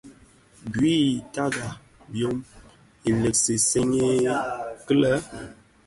Bui i tagà byom,i làgsi senji kilel.